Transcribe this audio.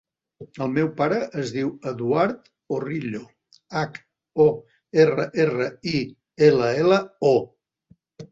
El meu pare es diu Eduard Horrillo: hac, o, erra, erra, i, ela, ela, o.